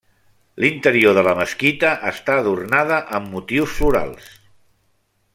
L'interior de la mesquita està adornada amb motius florals.